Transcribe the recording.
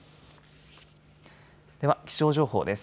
では気象情報です。